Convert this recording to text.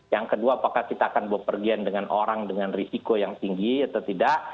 yang kedua apakah kita akan berpergian dengan orang dengan risiko yang tinggi atau tidak